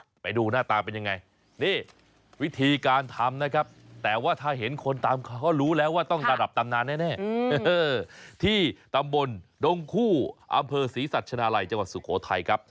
หรอไปดูหน้าตาเป็นยังไงนี่วิธีการทำนะครับ